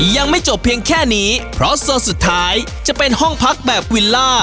ยังไม่จบเพียงแค่นี้เพราะโซนสุดท้ายจะเป็นห้องพักแบบวิลล่า